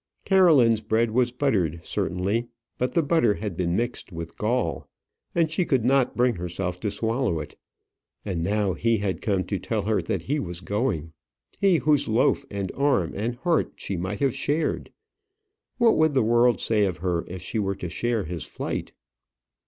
Caroline's bread was buttered, certainly; but the butter had been mixed with gall, and she could not bring herself to swallow it. And now he had come to tell her that he was going; he whose loaf, and arm, and heart she might have shared. What would the world say of her if she were to share his flight?